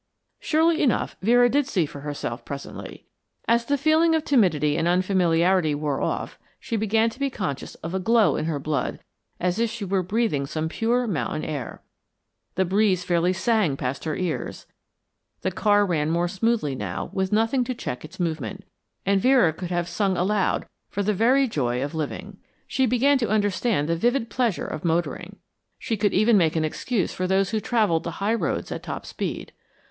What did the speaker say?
Surely enough Vera did see for herself presently. As the feeling of timidity and unfamiliarity wore off she began to be conscious of a glow in her blood as if she were breathing some pure mountain air. The breeze fairly sang past her ears, the car ran more smoothly now with nothing to check its movement, and Vera could have sung aloud for the very joy of living. She began to understand the vivid pleasure of motoring; she could even make an excuse for those who travelled the high roads at top speed.